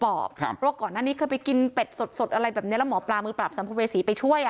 เพราะว่าก่อนหน้านี้เคยไปกินเป็ดสดอะไรแบบนี้แล้วหมอปลามือปราบสัมภเวษีไปช่วย